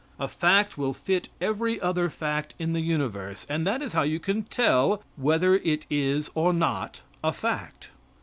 A fact will fit every other fact in the universe, and that is how you can tell whether it is or not a fact.